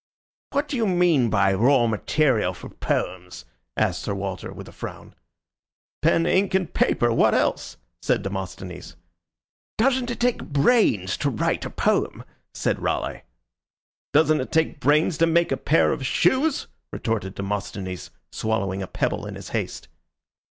"What do you mean by raw material for poems?" asked Sir Walter, with a frown. "Pen, ink, and paper. What else?" said Demosthenes. "Doesn't it take brains to write a poem?" said Raleigh. "Doesn't it take brains to make a pair of shoes?" retorted Demosthenes, swallowing a pebble in his haste.